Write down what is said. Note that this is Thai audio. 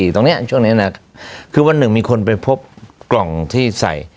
ตรงนี้ช่วงนี้นะคือวันหนึ่งมีคนไปพบกล่องที่ใส่